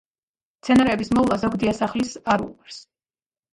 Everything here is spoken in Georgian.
მცენარეების მოვლა ზოგ დიასახლისს არ უყვარს.